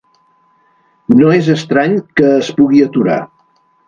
No és estrany que es pugui aturar.